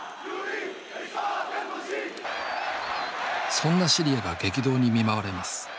そんなシリアが激動に見舞われます。